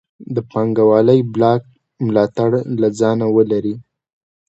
د پانګوالۍ بلاک ملاتړ له ځانه ولري.